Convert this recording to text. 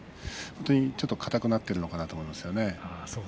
硬くなっているのかなと思いますね。